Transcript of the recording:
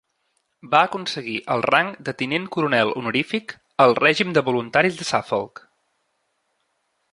Va aconseguir el rang de Tinent coronel honorífic al Règim de Voluntaris de Suffolk